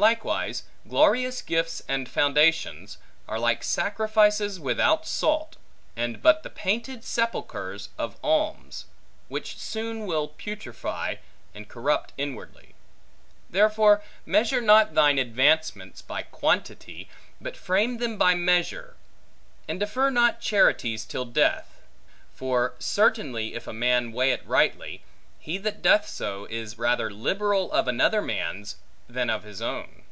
Likewise glorious gifts and foundations, are like sacrifices without salt; and but the painted sepulchres of alms, which soon will putrefy, and corrupt inwardly. Therefore measure not thine advancements, by quantity, but frame them by measure: and defer not charities till death; for, certainly, if a man weigh it rightly, he that doth so, is rather liberal of another man's, than of his own.